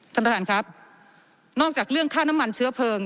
ท่านประธานครับนอกจากเรื่องค่าน้ำมันเชื้อเพลิง